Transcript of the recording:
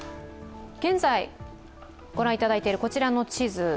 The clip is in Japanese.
現在ご覧いただいているこちらの地図